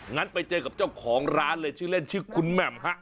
งั้นไปเจอกับเจ้าของร้านเลยชื่อเล่นชื่อคุณแหม่มฮะ